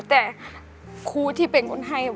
แต่ครูที่เป็นคนให้